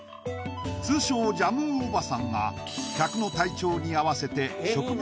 通称ジャムウおばさんが客の体調に合わせて植物